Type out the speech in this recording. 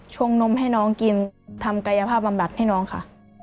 ช่วงนมให้น้องกินทำกายภาพบำบัดให้น้องค่ะ